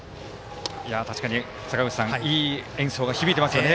確かに坂口さんいい演奏が響いていますよね。